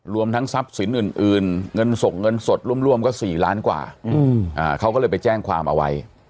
รวมทั้งทรัพย์สินอื่นเงินส่งเงินสดร่วมก็๔ล้านกว่าเขาก็เลยไปแจ้งความเอาไว้